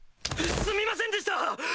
すみませんでした！